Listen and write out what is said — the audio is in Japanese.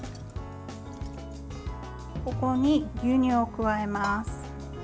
ここに牛乳を加えます。